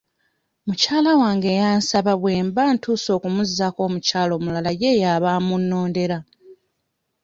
Mukyala wange yansaba bwe mba ntuuse okumuzzaako omukyala omulala ye y’aba amunnondera.